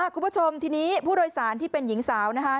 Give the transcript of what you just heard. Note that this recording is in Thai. คุณผู้ชมทีนี้ผู้โดยสารที่เป็นหญิงสาวนะคะ